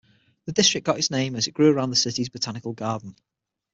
The district got its name as it grew around the city's Botanical Garden.